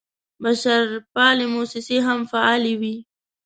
بشرپالې موسسې هم فعالې وې.